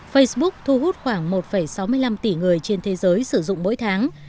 facebook thu hút khoảng một sáu mươi năm tỷ người trên thế giới sử dụng mỗi tháng